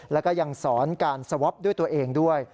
แล้วก็ยังสอนการสวอปด้วยตัวเองด้วย